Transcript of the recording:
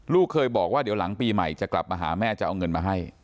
ลูกเคยบอกว่าเดี๋ยวหลังปีใหม่จะกลับมาหาแม่จะเอาเงินมาให้